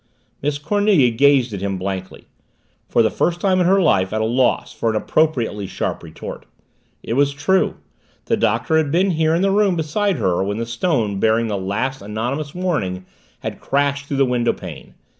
Miss Cornelia gazed at him blankly, for the first time in her life at a loss for an appropriately sharp retort. It was true the Doctor had been here in the room beside her when the stone bearing the last anonymous warning had crashed through the windowpane.